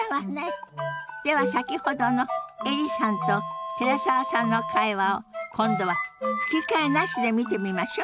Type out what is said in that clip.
では先ほどのエリさんと寺澤さんの会話を今度は吹き替えなしで見てみましょう。